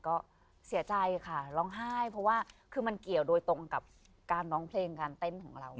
ก็เสียใจค่ะร้องไห้เพราะว่าคือมันเกี่ยวโดยตรงกับการร้องเพลงการเต้นของเรา